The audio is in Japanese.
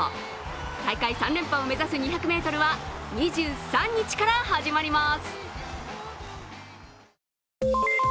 大会３連覇を目指す２００ｍは２３日から始まります。